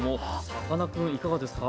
さかなクンいかがですか？